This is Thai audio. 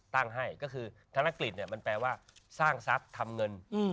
ตั้งให้ก็คือธนกฤษเนี่ยมันแปลว่าสร้างซักทำเงิน